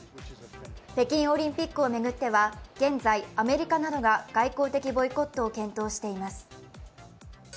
北京オリンピックを巡っては現在、アメリカなどが外交的ボイコットを検討しています。